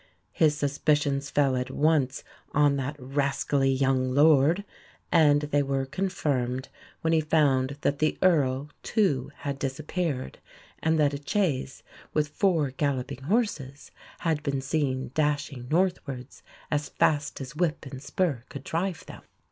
His suspicions fell at once on that "rascally young lord"; and they were confirmed when he found that the Earl, too, had disappeared, and that a chaise, with four galloping horses, had been seen dashing northwards as fast as whip and spur could drive them.